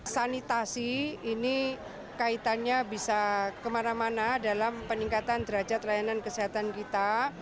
sanitasi ini kaitannya bisa kemana mana dalam peningkatan derajat layanan kesehatan kita